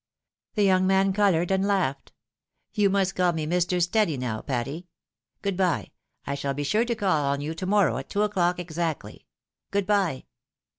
' The young man coloured, and laughed. " You must call me Mr. Steady now, Patty. Good bye — ^I shall be sure to call on you to morrow at two o'clock exactly. Good bye